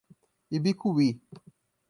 Ibicuí